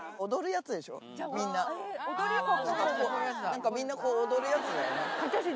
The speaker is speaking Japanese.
なんかこうみんなこう踊るやつだよね。